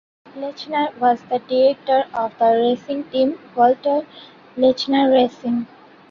Lechner was the director of the racing team Walter Lechner Racing.